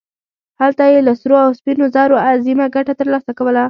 هلته یې له سرو او سپینو زرو عظیمه ګټه ترلاسه کوله.